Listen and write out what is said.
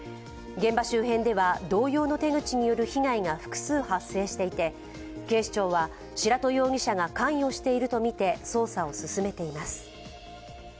現場周辺では同様の手口による被害が複数発生していて警視庁は白土容疑者が関与しているとみて捜査を進めています。